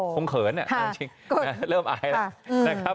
คงเขินอ่ะเริ่มอายแล้วนะครับ